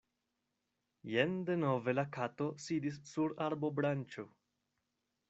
Jen denove la Kato sidis sur arbobranĉo.